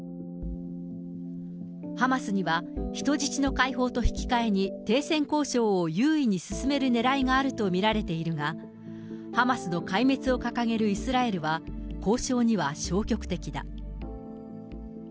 ハマスには人質の解放と引き換えに停戦交渉を優位に進めるねらいがあると見られているが、ハマスの壊滅を掲げるイスラエルは交渉には消極的だ。